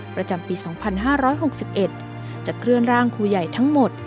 ประจำปี๒๕๖๑จะเคลื่อนร่างครูใหญ่ทั้งหมด